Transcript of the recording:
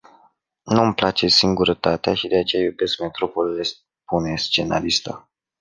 Nu îmi place singurătatea și de aceea iubesc metropolele spune scenarista.